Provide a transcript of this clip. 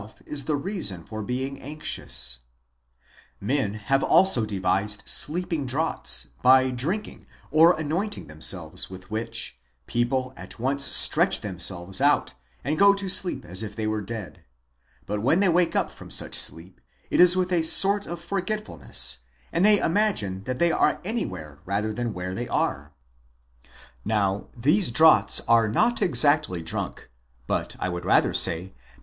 . 212 LIFE OF APOLLONIUS, BOOK II Men have also devised sleeping draughts, by drink cHap. ing or anointing themselves with which, people at '" once stretch themselves out and go to sleep as if they were dead ; but when they wake up from such sleep it is with a sort of forgetfulness, and they imagine that they are anywhere rather than where they are: Now these draughts are 'not exactly drunk, but I would rather say that.